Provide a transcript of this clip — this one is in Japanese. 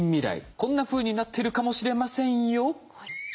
こんなふうになってるかもしれませんよ。